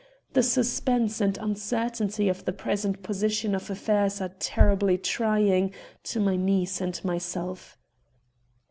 The suspense and uncertainty of the present position of affairs are terribly trying to my niece and myself."